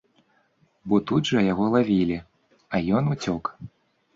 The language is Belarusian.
Бо тут жа яго лавілі, а ён уцёк.